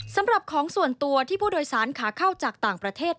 สำหรับของส่วนตัวที่ผู้โดยสารขาเข้าจากต่างประเทศ